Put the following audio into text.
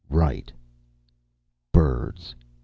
"Right." "Birds!"